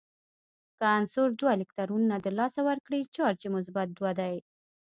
که عنصر دوه الکترونونه د لاسه ورکړي چارج یې مثبت دوه دی.